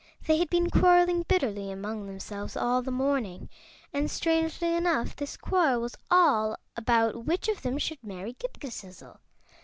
They had been quarreling bitterly among themselves all the morning, and strangely enough this quarrel was all about which of them should marry Ghip Ghisizzle.